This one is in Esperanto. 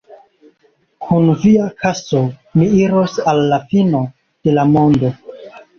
Kun via kaso mi iros al la fino de la mondo!